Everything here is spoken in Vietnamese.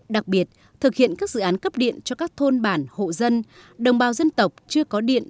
đặc biệt thực hiện các dự án cấp điện cho các thôn bản hộ dân đồng bào dân tộc chưa có điện